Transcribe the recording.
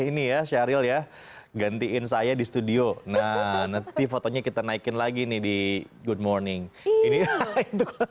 ini ya syahril ya gantiin saya di studio nah nanti fotonya kita naikin lagi nih di good morning ini